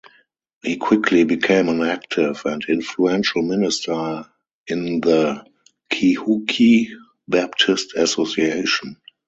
He quickly became an active and influential minister in the Kehukee Baptist Association.